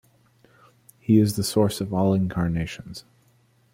He is the source of all incarnations.